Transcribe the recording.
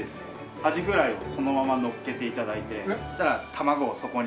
アジフライをそのままのっけて頂いて卵をそこに。